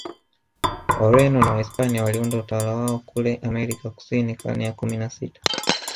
Wareno na Wahispania waliunda utawala wao kule Amerika Kusini karne ya kumi na sita